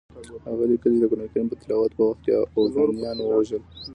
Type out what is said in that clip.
هغه لیکي چې د قرآن تلاوت په وخت اوغانیان ووژل.